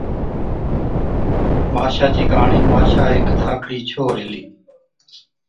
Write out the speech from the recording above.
ماشا چِي ڪهاڻِي، ماشا هيڪ ڌاڪڙِي ڇوهر هِلِي،